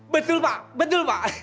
betul pak betul pak